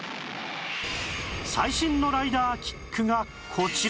最新のライダーキックがこちら